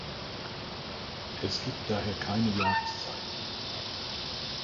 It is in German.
Es gibt daher keine Jahreszeiten.